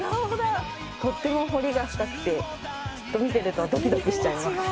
とっても彫りが深くてずっと見てるとドキドキしちゃいます